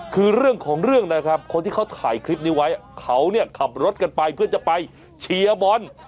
คือเรื่องของเรื่องนะครับคนที่เขาถ่ายคลิปนี้ไว้เขาเนี่ยขับรถกันไปเพื่อจะไปเชียร์บอล